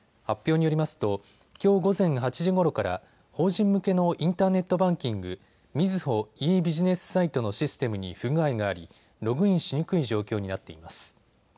発表によりますと、きょう午前８時ごろから法人向けのインターネットバンキング、みずほｅービジネスサイトのシステムに不具合がありログインしにくい状況になっています。